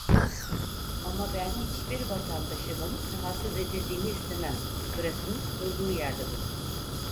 Ama ben hiçbir vatandaşımın rahatsız edildiğini istemem, bırakın durduğu yerde dursun.